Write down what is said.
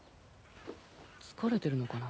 疲れてるのかな？